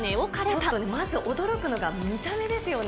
ちょっとまず驚くのが、見た目ですよね。